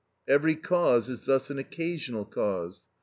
Every cause is thus an occasional cause.